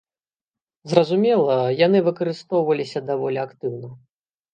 Зразумела, яны выкарыстоўваліся даволі актыўна.